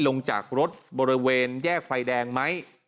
ลงจากรถบริเวณแยกไฟแดงไหม